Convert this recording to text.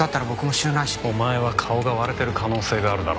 お前は顔が割れてる可能性があるだろ。